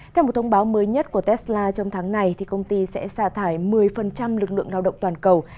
theo một thông báo mới nhất của tesla trong tháng này công ty sẽ xả thải một mươi lực lượng lao động toàn cầu